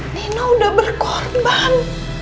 nino udah berkorban